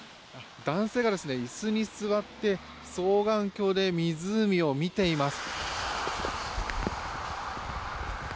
男性が椅子に座って双眼鏡で湖を見ています。